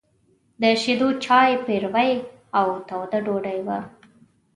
د شيدو چای، پيروی او توده ډوډۍ وه.